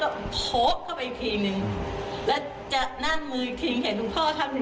ก็มาก่อนกลายได้มีความรู้สึกของคุณเป็นแม่นะ